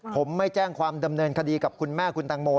ผมไม่แจ้งความดำเนินคดีกับคุณแม่คุณตังโม